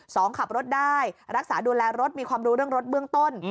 ขับรถได้รักษาดูแลรถมีความรู้เรื่องรถเบื้องต้น